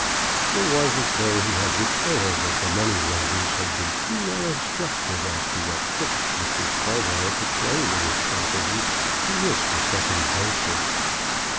It was as though he had declared that the money lenders had been too well instructed as to what tricks Mr. Scarborough could play with his property to risk a second venture.